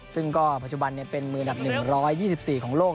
ซึ่งก็ปัจจุบันเป็นมืออันดับ๑๒๔ของโลก